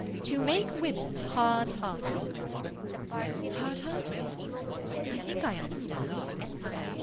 "To make women hard hearted." "Hard hearted? I think I understand."